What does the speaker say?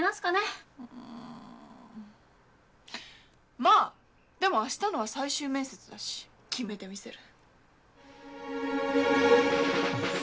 まぁでも明日のは最終面接だし決めてみせる。